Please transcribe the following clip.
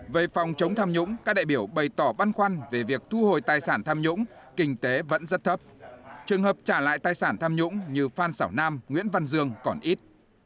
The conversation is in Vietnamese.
về phòng chống tham nhũng các đại biểu bày tỏ băn khoăn về việc thu hồi tài sản tham nhũng kinh tế vẫn rất thấp trường hợp trả lại tài sản tham nhũng như phan xảo nam nguyễn văn dương còn ít